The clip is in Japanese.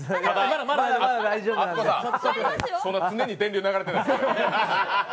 アツコさん、そんな常に電流流れてないですから。